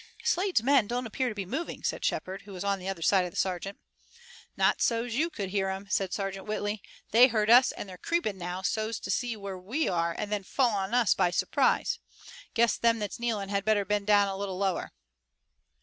"Slade's men don't appear to be moving," said Shepard, who was on the other side of the sergeant. "Not so's you could hear 'em," said Sergeant Whitley. "They heard us and they're creeping now so's to see what we are and then fall on us by surprise. Guess them that's kneeling had better bend down a little lower."